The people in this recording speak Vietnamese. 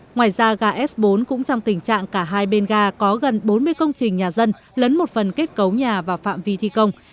ngoài ra ga s bốn cũng trong tình trạng cả hai bên ga có gần bốn mươi công trình nhà dân lấn một phần kết cấu nhà và phạm vi thi công